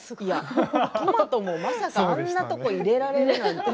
トマトもまさかあんなところに入れられるなんて。